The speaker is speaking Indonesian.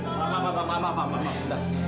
pak pak pak pak pak pak pak pak